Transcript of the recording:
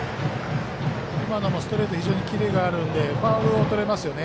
今のもストレート非常にキレがあるのでファウルをとれますよね。